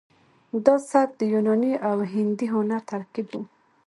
دا سبک د یوناني او هندي هنر ترکیب و